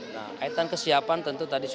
nah kaitan kesiapan tentu tadi